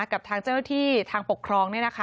กับทางเจ้าหน้าที่ทางปกครองนี่นะคะ